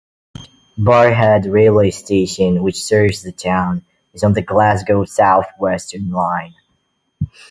Barrhead railway station, which serves the town, is on the Glasgow South Western Line.